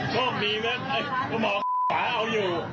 โชคดีมอร์ไอ้หมาเอาอยู่